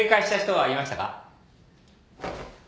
はい。